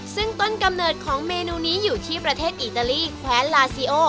ซึ่งต้นกำเนิดของเมนูนี้อยู่ที่ประเทศอิตาลีแคว้นลาซีโอ